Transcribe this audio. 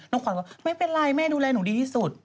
ขวัญว่าไม่เป็นไรแม่ดูแลหนูดีที่สุด